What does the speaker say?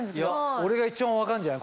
俺が一番分かるんじゃない？